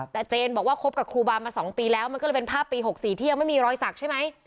แต่เจนบอกว่าคบกับครูบามา๒ปีแล้วมันก็เลยเป็นภาพปี๖๔ที่ยังไม่มีรอยสักใช่ไหม